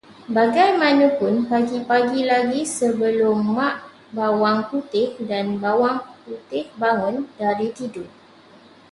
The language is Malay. Bagaimanapun pagi-pagi lagi sebelum Mak Bawang Putih dan Bawang Putih bangun dari tidur